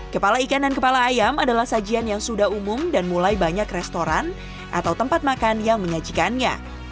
kepala ikan dan kepala ayam adalah sajian yang sudah umum dan mulai banyak restoran atau tempat makan yang menyajikannya